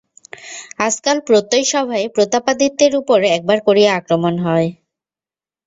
আজকাল প্রত্যই সভায় প্রতাপাদিত্যের উপর একবার করিয়া আক্রমণ হয়।